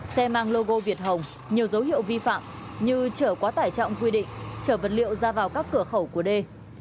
xe mang logo việt hồng nhiều dấu hiệu vi phạm như chở quá tải trọng quy định chở vật liệu ra vào các cửa khẩu của d